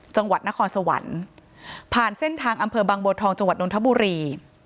จังหวัดนครสวรรค์ผ่านเส้นทางอำเภอบางบัวทองจังหวัดนทบุรี